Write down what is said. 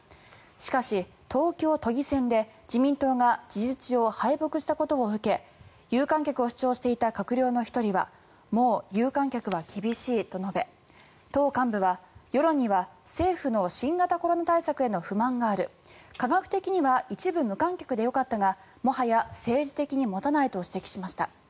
しかし、東京都議選で自民党が事実上敗北したことを受け有観客を主張していた閣僚の１人はもう有観客は厳しいと述べ党幹部は世論には政府の新型コロナ対策への不満がある科学的には一部無観客でよかったがもはや政治的に持たないと指摘しました。